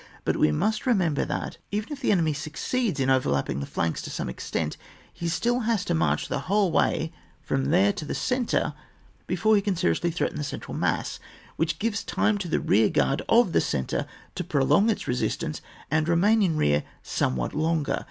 But we must remember that, even if the enemy succeeds in overlapping the flanks to some extent, he has still to march the whole way from there to the centre before he can seriously threaten the central mass, which gives time to the rearguard of the centre to prolong its resistance, and remain in rear some what longer.